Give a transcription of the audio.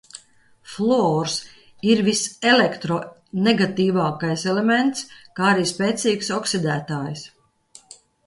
Fluors ir viselektronegatīvākais elements, kā arī spēcīgs oksidētājs.